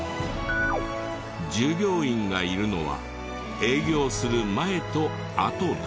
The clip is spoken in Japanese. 従業員がいるのは営業する前と後だけ。